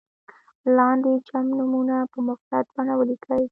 لاندې جمع نومونه په مفرد بڼه ولیکئ.